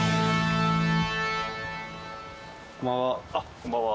こんばんは。